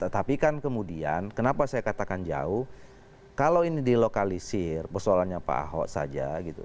tapi kan kemudian kenapa saya katakan jauh kalau ini dilokalisir persoalannya pak ahok saja gitu